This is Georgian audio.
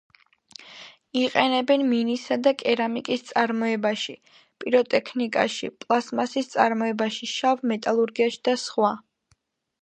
იყენებენ მინისა და კერამიკის წარმოებაში, პიროტექნიკაში, პლასტმასის წარმოებაში, შავ მეტალურგიაში და სხვა.